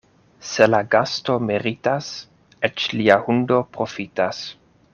Se la gasto meritas, eĉ lia hundo profitas.